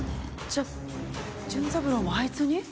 じゃあ純三郎もあいつに？